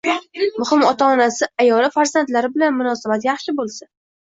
Muhimi ota-onasi, ayoli, farzandlari bilan munosabati yaxshi bo‘lsa